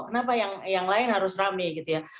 kenapa yang lain harus rame gitu ya